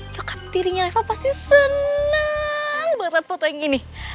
cokap dirinya reva pasti seneng buat lihat foto yang ini